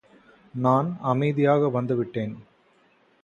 நான் அமைதியாக வந்துவிட்டேன்.